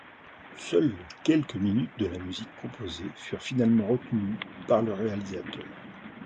Seules quelques minutes de la musique composée furent finalement retenues par le réalisateur.